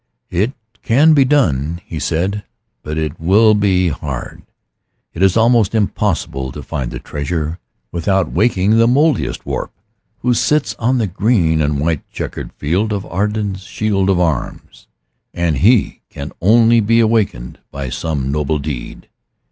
"It can be done," he said, "but it will be hard. It is almost impossible to find the treasure without waking the Mouldiestwarp, who sits on the green and white checkered field of Ardens' shield of arms. And he can only be awakened by some noble deed.